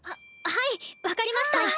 ははい分かりました。